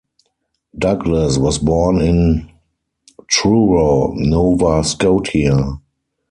Douglas was born in Truro, Nova Scotia.